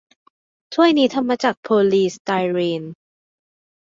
ถ้วยนี้ทำมาจากโพลีสไตรีน